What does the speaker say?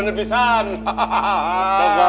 pengen pisah nih mak hah